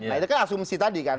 nah itu kan asumsi tadi kan